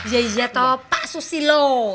ya ya tau pak susilo